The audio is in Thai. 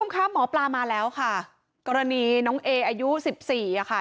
คุณผู้ชมคะหมอปลามาแล้วค่ะกรณีน้องเออายุสิบสี่อ่ะค่ะ